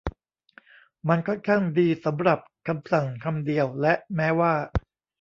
มันค่อนข้างดีสำหรับคำสั่งคำเดียวและแม้ว่า